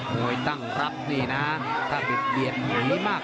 มุยตั้งรับนี่นะคะจากผิดเบียดหญิมาก